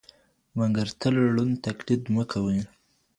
مګر تل ړوند تقلیډ مه کوئ.